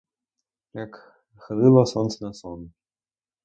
Як хилило сонце на сон!